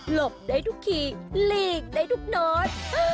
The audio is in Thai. บได้ทุกทีหลีกได้ทุกโน้ต